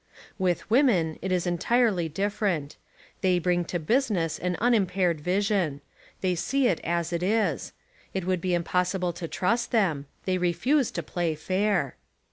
With women it is entirely different. They bring to business an unimpaired vision. They see it as it is. It would be impossible to trust them. They refuse to play fair.